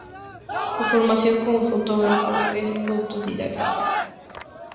Su formación como fotógrafo es autodidacta.